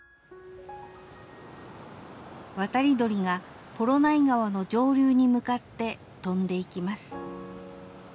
「わたり鳥がポロナイ河の上流に向かってとんで行きます」